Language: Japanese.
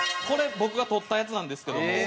これ僕が撮ったやつなんですけども。